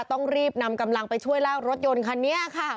ต้องรีบนำกำลังไปช่วยลากรถยนต์คันนี้ค่ะ